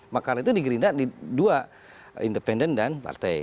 makanya itu di gerindra dua independen dan partai